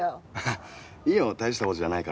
いいよ大した事じゃないから。